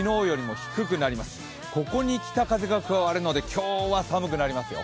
低くなります、ここに北風が加わるので今日は寒くなりますよ。